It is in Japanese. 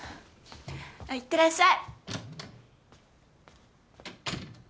いってらっしゃい。